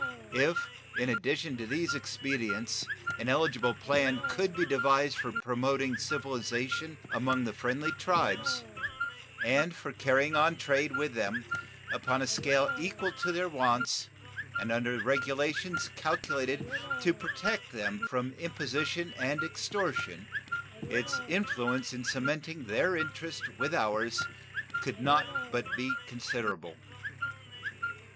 If in addition to these expedients an eligible plan could be devised for promoting civilization among the friendly tribes and for carrying on trade with them upon a scale equal to their wants and under regulations calculated to protect them from imposition and extortion, its influence in cementing their interest with ours could not but be considerable.